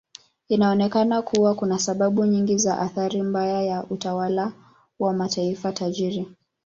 Inaonekana kuwa kuna sababu nyingi za athari mbaya ya utawala wa mataifa tajiri.